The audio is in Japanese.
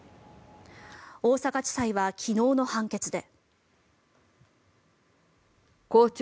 大阪地裁は昨日の判決で。